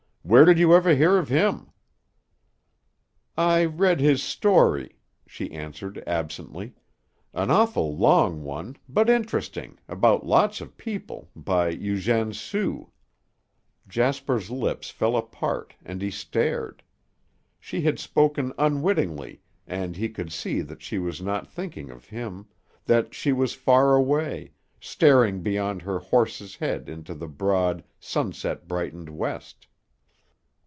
Where did you ever hear of him?" "I read his story," she answered absently; "an awful long one, but interesting, about lots of people, by Eugène Sue." Jasper's lips fell apart and he stared. She had spoken unwittingly and he could see that she was not thinking of him, that she was far away, staring beyond her horse's head into the broad, sunset brightened west.